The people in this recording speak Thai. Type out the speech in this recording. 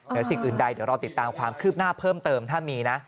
สิ่งอื่นใดเดี๋ยวรอติดตามความคืบหน้าเพิ่มเติมถ้ามีนะ